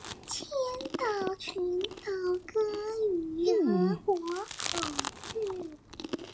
千島群島割予俄國統冶